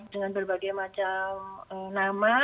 dengan berbagai macam nama